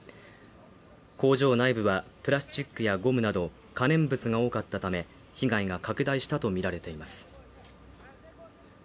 工場内部はプラスチックやゴムなど可燃物が多かったため被害が拡大したとみられています